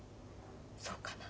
そうかな。